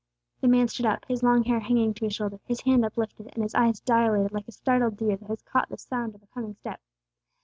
The man stood up, his long hair hanging to his shoulder, his hand uplifted, and his eyes dilated like a startled deer that has caught the sound of a coming step.